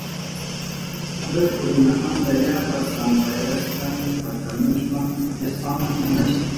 Abel purinamanta yapa sampayashka paktamushpan upyachishpanchi sinchikuchishkanchi.